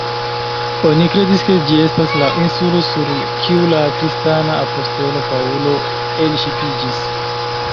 Oni kredas ke ĝi estis la insulo sur kiu la kristana apostolo Paŭlo elŝipiĝis.